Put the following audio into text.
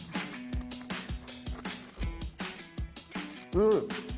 うん！